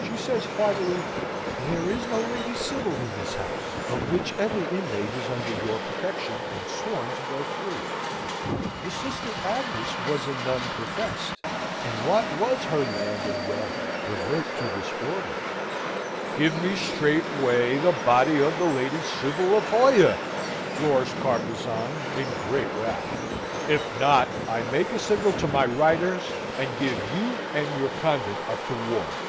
She says, haughtily: "There is no Lady Sybil in this house: of which every inmate is under your protection, and sworn to go free. The Sister Agnes was a nun professed, and what was her land and wealth revert to this Order." "Give me straightway the body of the Lady Sybil of Hoya!" roars Carpezan, in great wrath. "If not, I make a signal to my Reiters, and give you and your convent up to war."